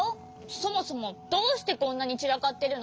そもそもどうしてこんなにちらかってるの！？